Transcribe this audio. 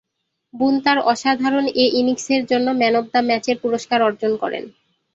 বুন তাঁর অসাধারণ এ ইনিংসের জন্যে ম্যান অব দ্য ম্যাচের পুরস্কার অর্জন করেন।